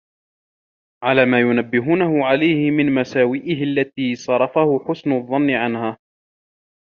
عَلَى مَا يُنَبِّهُونَهُ عَلَيْهِ مِنْ مَسَاوِئِهِ الَّتِي صَرَفَهُ حَسَنُ الظَّنِّ عَنْهَا